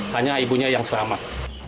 hanya ibunya yang selamat